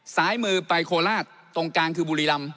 ซ้ายมือไปโคราชตรงกลางคือบุรีรำ